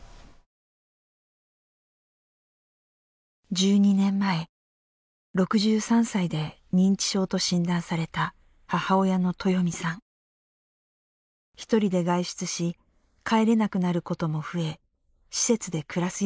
１２年前６３歳で認知症と診断された１人で外出し帰れなくなることも増え施設で暮らすようになりました。